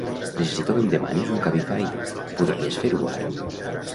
Necessito que em demanis un Cabify, podries fer-ho ara?